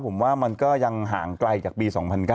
ผมว่ามันก็ยังห่างไกลจากปี๒๐๐๙